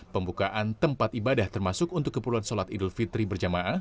pembukaan tempat ibadah termasuk untuk keperluan sholat idul fitri berjamaah